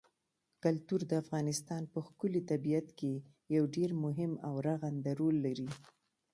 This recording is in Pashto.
کلتور د افغانستان په ښکلي طبیعت کې یو ډېر مهم او رغنده رول لري.